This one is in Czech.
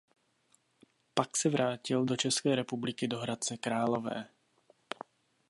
Pak se vrátil do České republiky do Hradce Králové.